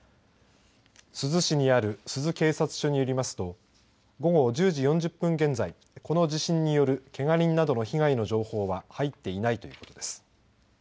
珠洲市にある珠洲警察署によりますと午後１０時４０分現在この地震によるけが人などの被害の情報は入っていないということです。